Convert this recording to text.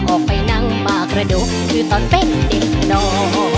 ออกไปนั่งมากระดูกคือตอนเป็นเด็กน้อง